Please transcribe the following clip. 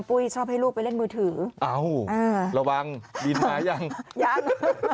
ปุ้ยชอบให้ลูกไปเล่นมือถือเอ้าระวังบินมายังยัง